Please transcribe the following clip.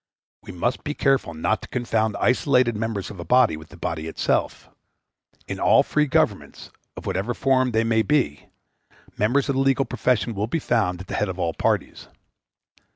We must be careful not to confound isolated members of a body with the body itself. In all free governments, of whatsoever form they may be, members of the legal profession will be found at the head of all parties.